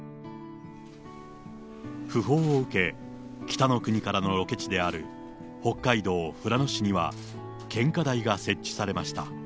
訃報を受け、北の国からのロケ地である北海道富良野市には、献花台が設置されました。